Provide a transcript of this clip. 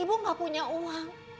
ibu gak punya uang